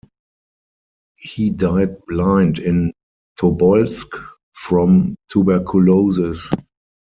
He died blind in Tobolsk from tuberculosis.